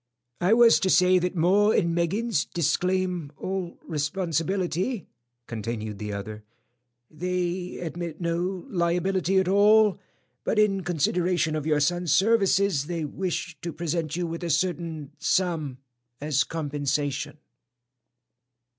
"I was to say that 'Maw and Meggins' disclaim all responsibility," continued the other. "They admit no liability at all, but in consideration of your son's services, they wish to present you with a certain sum as compensation."